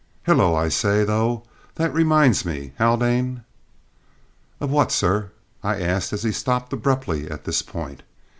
"Hullo! I say, though, that reminds me, Haldane " "Of what, sir?" I asked as he stopped abruptly at this point.